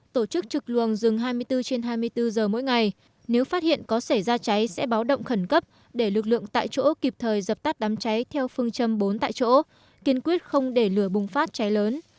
tổ chức trực luồng rừng hai mươi bốn trên hai mươi bốn giờ mỗi ngày nếu phát hiện có xảy ra cháy sẽ báo động khẩn cấp để lực lượng tại chỗ kịp thời dập tắt đám cháy theo phương châm bốn tại chỗ kiên quyết không để lửa bùng phát cháy lớn